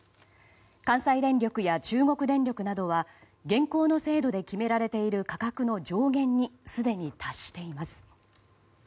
関西電力や中国電力などは現行の制度で決められている価格の上限にすでに達しています。